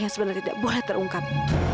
yang sebenarnya tidak boleh terungkap